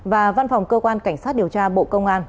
và văn phòng cơ quan cảnh sát điều tra bộ công an